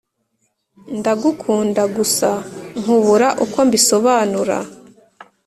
Ndagukunda gusa nkubura uko mbisobanura